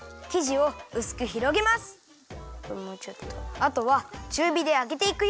あとはちゅうびであげていくよ。